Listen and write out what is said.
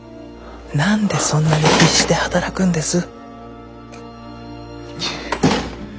何でそんなに必死で働くんです？